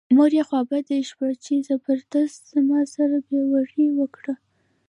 مور یې خوا بډۍ شوه چې زبردست زما سره بې وري وکړه.